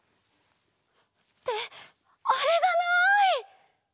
ってあれがない！